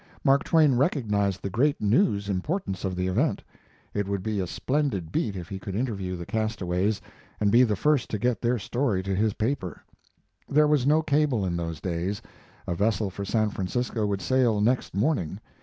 Mark Twain recognized the great news importance of the event. It would be a splendid beat if he could interview the castaways and be the first to get their story to his paper. There was no cable in those days; a vessel for San Francisco would sail next morning.